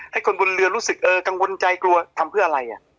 ให้คนบนเรือรู้สึกเออกังวลใจกลัวทำเพื่ออะไร